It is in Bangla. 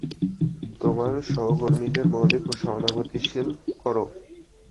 তোমার সহকর্মীদের মৌলিক সহানুভূতিশীল করো।